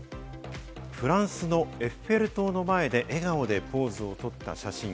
フランスのエッフェル塔の前で、笑顔でポーズをとった写真。